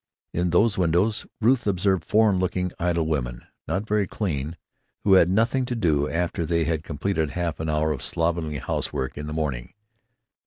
In those windows Ruth observed foreign looking, idle women, not very clean, who had nothing to do after they had completed half an hour of slovenly housework in the morning.